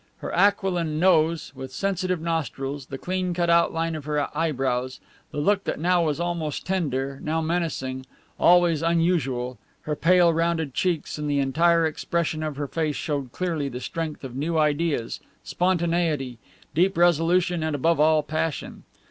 Her aquiline nose with sensitive nostrils, the clean cut outline of her eyebrows, her look that now was almost tender, now menacing, always unusual, her pale rounded cheeks and the entire expression of her face showed clearly the strength of new ideas, spontaneity, deep resolution and, above all, passion.